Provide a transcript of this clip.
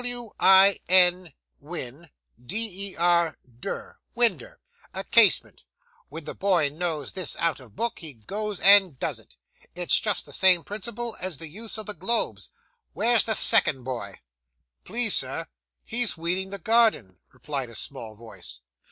W i n, win, d e r, der, winder, a casement. When the boy knows this out of book, he goes and does it. It's just the same principle as the use of the globes. Where's the second boy?' 'Please, sir, he's weeding the garden,' replied a small voice.